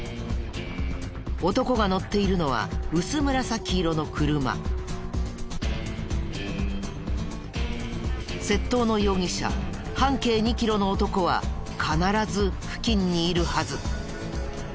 男が乗っているのは窃盗の容疑者半径２キロの男は必ず付近にいるはず。